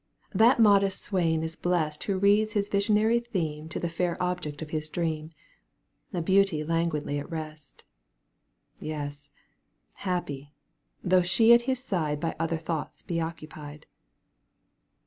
that modest swain is blest Who reads his visionary theme To the fair object of his dream, A beauty languidly at rest, Yes, happy — ^though she at his side By other thoughts be occupied.